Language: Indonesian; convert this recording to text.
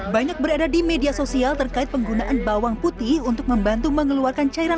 banyak berada di media sosial terkait penggunaan bawang putih untuk membantu mengeluarkan cairan